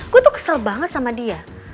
gue tuh kesel banget sama dia